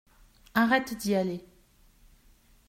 Arrête d’y aller.